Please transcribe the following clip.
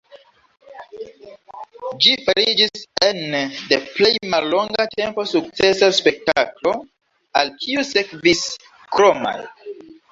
Ĝi fariĝis ene de plej mallonga tempo sukcesa spektaklo, al kiu sekvis kromaj.